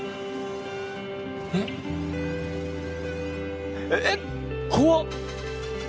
えっえっ怖っ！